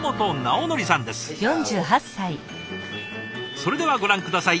それではご覧下さい。